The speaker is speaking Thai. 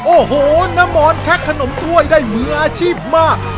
โอ้โหน้ำมอนแท็กขนมถ้วยได้มืออาชีพมาก